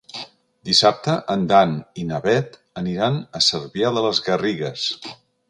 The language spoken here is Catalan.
Dissabte en Dan i na Bet aniran a Cervià de les Garrigues.